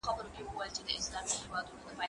زه اوږده وخت قلم استعمالوموم وم؟!